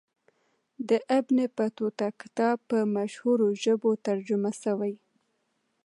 د ابن بطوطه کتاب په مشهورو ژبو ترجمه سوی.